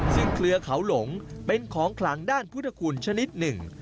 ซึ่งเครือเขาหลงเป็นของขลังด้านพุทธคุณชนิดหนึ่ง